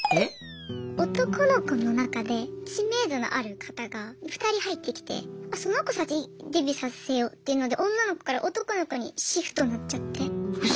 男の子の中で知名度のある方が２人入ってきてその子先にデビューさせようっていうので女の子から男の子にシフトになっちゃって。